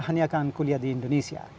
hanya akan kuliah di indonesia